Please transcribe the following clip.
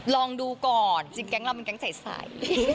ลองดูก่อนจริงแก๊งเราเป็นแก๊งใส